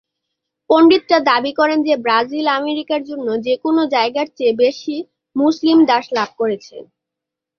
পণ্ডিতরা দাবি করেন যে ব্রাজিল আমেরিকার অন্য যে কোন জায়গার চেয়ে বেশি মুসলিম দাস লাভ করেছে।